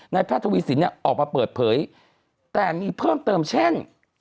นายพระทวีสินออกมาเปิดเผยแต่มีเพิ่มเติมเช่น